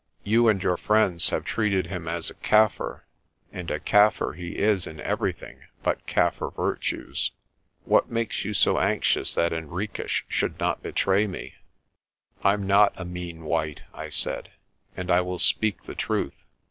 You and your friends have treated him as a Kaffir, and a Kaffir he is in everything but Kaffir virtues. What makes you so anxious that Henriques should not betray me?' "I'm not a mean white," I said, "and I will speak the truth.